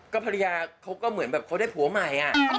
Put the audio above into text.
ภรรยาเขาก็เหมือนแบบเขาได้ผัวใหม่